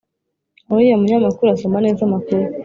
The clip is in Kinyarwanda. Uriya munyamakuru asoma neza amakuru